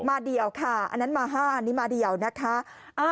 มาเดี่ยวค่ะอันนั้นมา๕อันนี้มาเดียวนะคะ